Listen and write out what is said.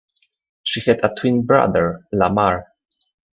She had a twin brother, Lamar.